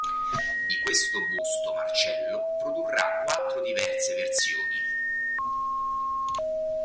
Di questo busto Marcello produrrà quattro diverse versioni.